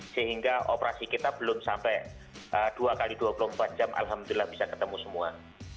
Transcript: sehingga operasi kita belum sampai dua x dua puluh empat jam alhamdulillah bisa ketemu semua